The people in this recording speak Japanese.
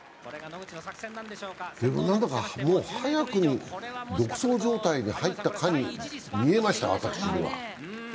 何だか、もう早くに独走状態に入ったかに見えましたが、私には。